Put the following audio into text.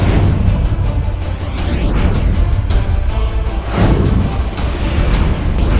bagaimanapun caranya aku harus keluar dari sini